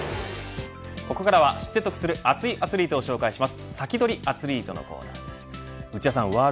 ここから知って得する熱いアスリートを紹介します。